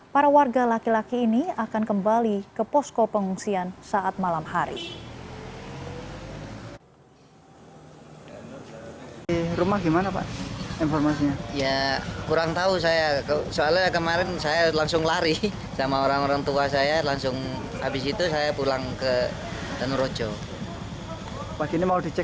para warga laki laki ini akan kembali ke posko pengungsian saat malam hari